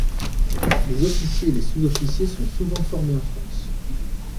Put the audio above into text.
Les officiers et les sous-officiers sont souvent formés en France.